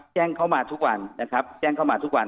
แจ้งเข้ามาทุกวันนะครับแจ้งเข้ามาทุกวัน